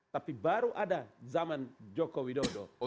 tapi baru ada zaman jokowi dodo